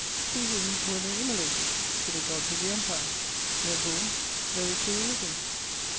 To whom were they immolated? To the gods of the Empire. Therefore there were two religions.